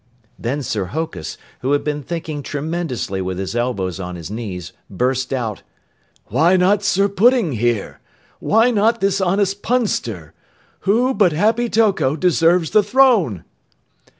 Then Sir Hokus, who had been thinking tremendously with his elbows on his knees, burst out, "Why not Sir Pudding, here? Why not this honest Punster? Who but Happy Toko deserves the throne?"